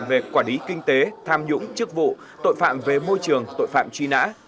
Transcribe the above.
về quản lý kinh tế tham nhũng chức vụ tội phạm về môi trường tội phạm truy nã